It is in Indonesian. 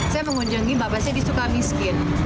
saya mengunjungi bapak saya di sukamiskin